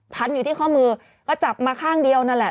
พันอยู่ที่ข้อมือก็จับมาข้างเดียวนั่นแหละ